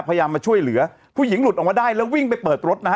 พยายามมาช่วยเหลือผู้หญิงหลุดออกมาได้แล้ววิ่งไปเปิดรถนะฮะ